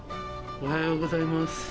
おはようございます。